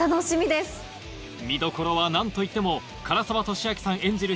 見どころは何といっても唐沢寿明さん演じる